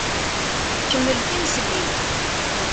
Kemmel timesliwt!